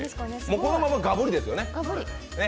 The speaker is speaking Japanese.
このままガブリですよね。